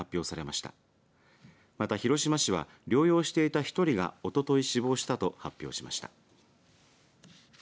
また、広島市は療養していた１人がおととい死亡したと発表しました。